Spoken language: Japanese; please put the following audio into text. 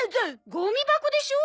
ゴミ箱でしょ！